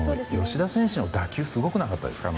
吉田の打球すごくなかったですか？